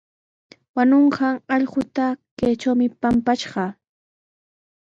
Wañunqan allquuta kaytrawmi pampashqaa.